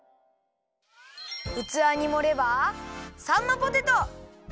うつわにもればさんまポテト！